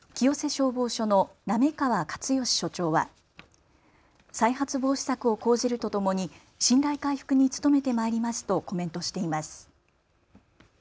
消防署の行川勝義署長は再発防止策を講じるとともに信頼回復に努めてまいりますとコメントしています。